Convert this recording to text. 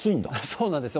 そうなんですよ。